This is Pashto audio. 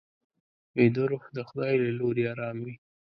ویده روح د خدای له لوري ارام وي